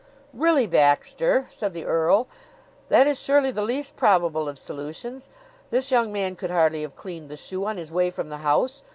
"Really, Baxter," said the earl, "that is surely the least probable of solutions. This young man could hardly have cleaned the shoe on his way from the house.